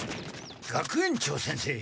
学園長先生！